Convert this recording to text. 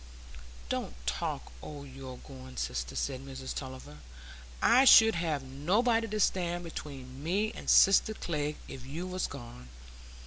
"Don't talk o' your going, sister," said Mrs Tulliver; "I should have nobody to stand between me and sister Glegg if you was gone.